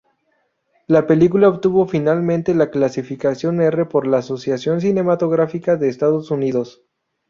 La película obtuvo finalmente la calificación R por la Asociación Cinematográfica de Estados Unidos.